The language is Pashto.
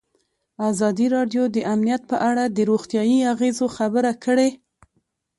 ازادي راډیو د امنیت په اړه د روغتیایي اغېزو خبره کړې.